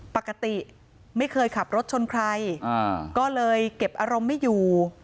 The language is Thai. ปกติไม่เคยขับรถชนใครก็เลยเก็บอารมณ์ไม่อยู่